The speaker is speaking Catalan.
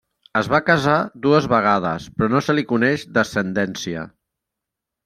Es va casar dues vegades però no se li coneix descendència.